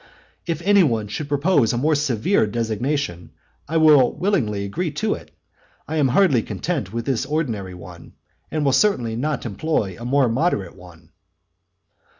If any one should propose a more severe designation I will willingly agree to it; I am hardly content with this ordinary one, and will certainly not employ a more moderate one.